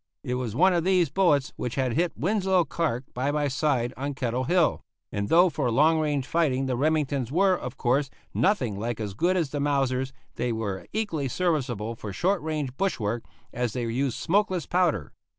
It was one of these bullets which had hit Winslow Clark by my side on Kettle Hill; and though for long range fighting the Remingtons were, of course, nothing like as good as the Mausers, they were equally serviceable for short range bush work, as they used smokeless powder.